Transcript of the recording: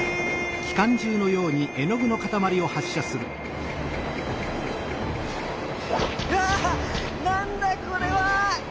うわなんだこれは？